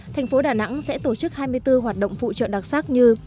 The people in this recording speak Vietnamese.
thành phố đà nẵng sẽ tổ chức hai mươi bốn hoạt động phụ trợ đặc sắc như